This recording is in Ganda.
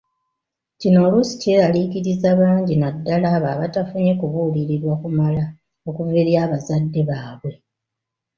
Kino oluusi kyeraliikiriza bangi naddala abo abatafunye kubuulirirwa kumala okuva eri abazadde baabwe.